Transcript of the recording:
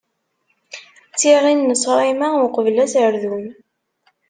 D tiɣin n ṣṣrima, uqbel aserdun.